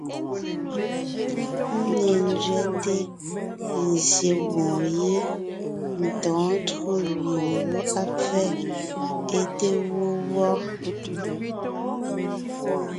Ńne ńzẅɛte, nzsyè gwoon yé, ntɔ̌ɔn tÿǒ gẅie ngwɔ́ á pfɛ́ é te wó wɔ́,